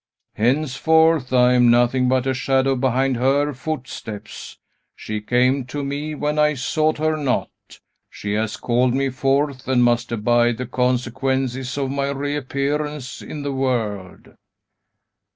"Henceforth, I am nothing but a shadow behind her footsteps. She came to me when I sought her not. She has called me forth, and must abide the consequences of my reappearance in the world."